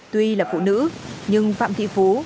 tuy là phụ nữ nhưng phạm thị phú